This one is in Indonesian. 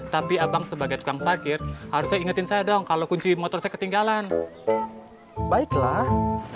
tapi abang sebagai tukang parkir harus ingetin saya dong kalau kunci motornya ketinggalan baiklah